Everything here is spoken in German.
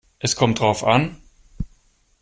Es kommt darauf an.